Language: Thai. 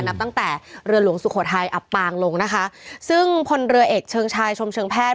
นับตั้งแต่เรือหลวงสุโขทัยอับปางลงนะคะซึ่งพลเรือเอกเชิงชายชมเชิงแพทย์